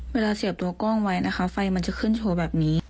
เสียบตัวกล้องไว้นะคะไฟมันจะขึ้นโชว์แบบนี้